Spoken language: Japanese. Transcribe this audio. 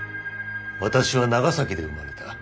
私は長崎で生まれた。